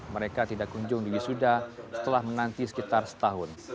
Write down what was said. mereka tidak kunjung di wisuda setelah menanti sekitar setahun